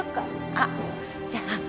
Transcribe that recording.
あっじゃあ